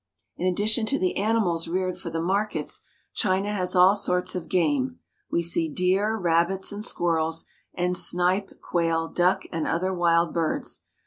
In addition to the animals reared for the markets, China has all sorts of game. We see deer, rabbits, and squirrels, and snipe, quail, duck, and other wild birds.